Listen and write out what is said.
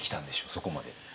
そこまで。